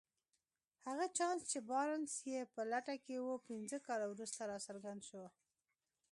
هغه چانس چې بارنس يې په لټه کې و پنځه کاله وروسته راڅرګند شو.